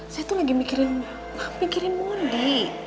saya tuh lagi mikirin mondi